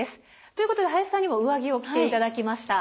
ということで林さんにも上着を着て頂きました。